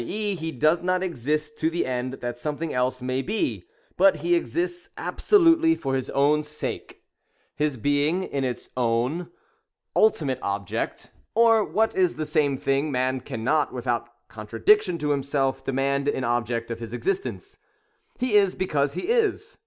e. he does not exist to the end that something else may be, but he exists absolutely for his own sake, — his being is its own 20 LIGTUBE I. ultimate object ;— or, what is the same thing', man cannot, without contradiction to himself, demand an object of his existence, lie is. because he is.